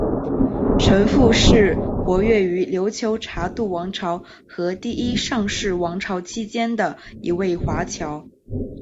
程复是活跃于琉球察度王朝和第一尚氏王朝期间的一位华侨。